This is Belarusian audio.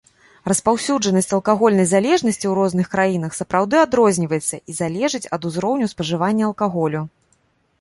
Распаўсюджанасць алкагольнай залежнасці ў розных краінах сапраўды адрозніваецца і залежыць ад узроўню спажывання алкаголю.